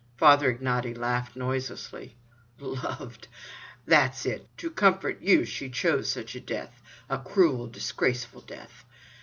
Father Ignaty laughed noiselessly. "Lo—o—ved! That's it, to comfort you she chose such a death—a cruel, disgraceful death!